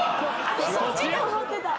私そっちと思ってた。